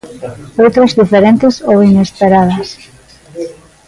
Outras diferentes ou inesperadas.